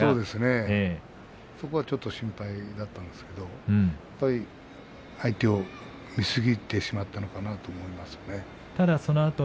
そこはちょっと心配だったんですが相手を見すぎてしまったのかなただ、そのあと